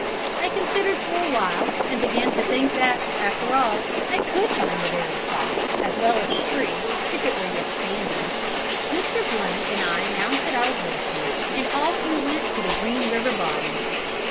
I considered for a while, and began to think that, after all, I could find the very spot, as well as the tree, if it were yet standing. "Mr. and I mounted our horses and off we went to the Green River bottoms.